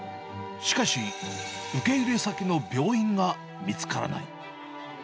しかし、受け入れ先の病院が見つからない。